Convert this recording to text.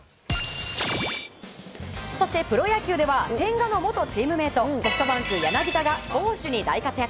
そして、プロ野球では千賀の元チームメートソフトバンク、柳田が攻守に大活躍。